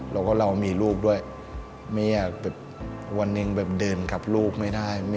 แล้วก็เรามีลูกด้วยไม่อยากแบบวันหนึ่งแบบเดินกับลูกไม่ได้